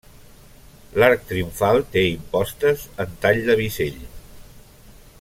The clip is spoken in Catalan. L'arc triomfal té impostes en tall de bisell.